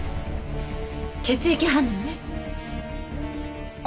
血液反応ね。